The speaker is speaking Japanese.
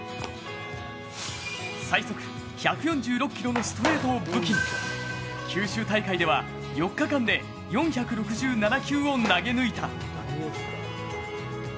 最速１４６キロのストレートを武器に九州大会では４日間で４６７球を投げ抜いた。